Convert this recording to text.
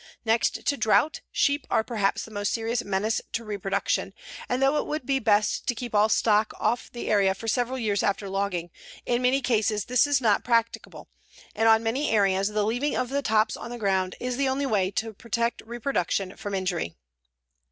Next to drought, sheep are perhaps the most serious menace to reproduction, and though it would be best to keep all stock off the area for several years after logging, in many cases this is not practicable, and on many areas the leaving of the tops on the ground is the only way to protect reproduction from injury.